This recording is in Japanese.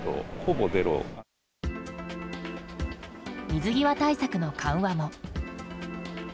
水際対策の緩和も。